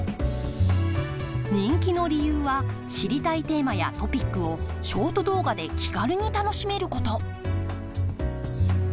人気の理由は知りたいテーマやトピックをショート動画で気軽に楽しめること。